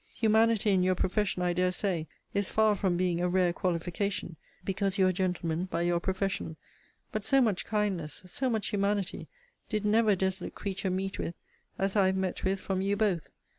Humanity in your profession, I dare say, is far from being a rare qualification, because you are gentlemen by your profession: but so much kindness, so much humanity, did never desolate creature meet with, as I have met with from you both.